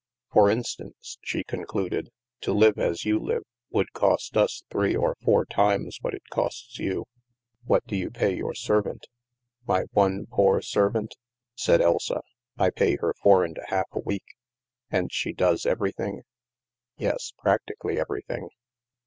" For instance," she concluded, " to live as you live would cost us three or four times what it costs you. What do you pay your servant? "" My one poor servant !" said Elsa. " I pay her four and a half a week !" "And she does everything?" " Yes, practically everything."